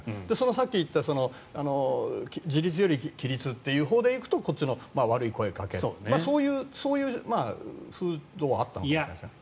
さっき言った自立より規律というほうで行くとこっちの悪い声掛けそういう風土はあったのかもしれないですね。